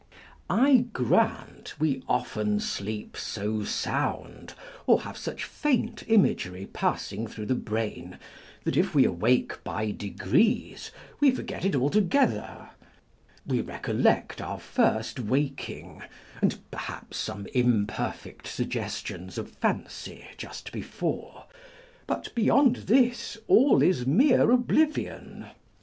I grant, we often sleep so sound, or have such faint imagery passing through the brain, that if we awake by degrees, we forget it altogether : we recollect our first waking, and perhaps some imperfect suggestions of fancy just before; but beyond this, all is mere ob livion.